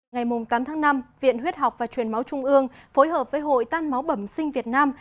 ngày tám tháng năm viện huyết học và truyền máu trung ương phối hợp với hội tan máu bẩm sinh việt nam